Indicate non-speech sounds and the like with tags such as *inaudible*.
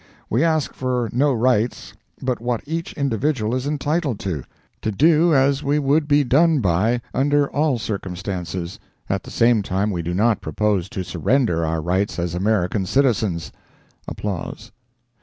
We ask for no rights but what each individual is entitled to; to do as we would be done by under all circumstances—at the same time we do not propose to surrender our rights as American citizens. *applause*